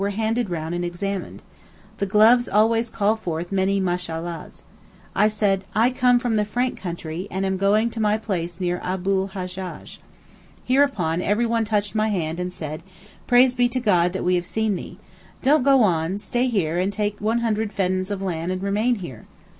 were handed round and examined; the gloves always call forth many Mashallah's. I said, 'I come from the Frank country, and am going to my place near Abu'l Hajjaj.' Hereupon everyone touched my hand and said, 'Praise be to God that we have seen thee. Don't go on: stay here and take 100 feddans of land and remain here.